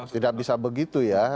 tidak bisa begitu ya